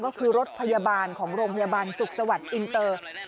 ก็คือรถพยาบาลของโรงพยาบาลสุขสวัสดิ์อินเตอร์